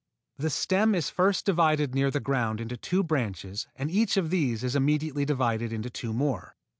The stem is first divided near the ground into two branches and each of these is immediately divided into two more.